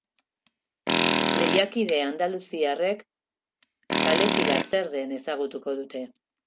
Lehiakide andaluziarrek kalejira zer den ezagutuko dute.